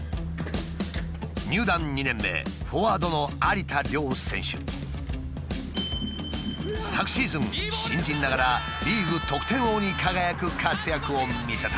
入団２年目フォワードの昨シーズン新人ながらリーグ得点王に輝く活躍を見せた。